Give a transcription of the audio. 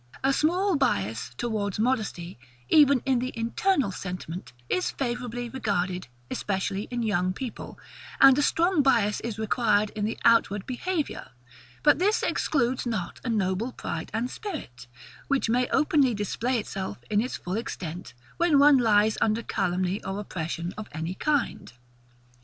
A small bias towards modesty, even in the internal sentiment, is favourably regarded, especially in young people; and a strong bias is required in the outward behaviour; but this excludes not a noble pride and spirit, which may openly display itself in its full extent, when one lies under calumny or oppression of any kind.